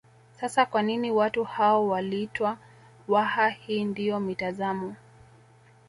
Sasa kwa nini watu hao waliitwa Waha hii ndiyo mitazamo